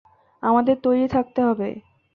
আমাদের তৈরি থাকতে হবে।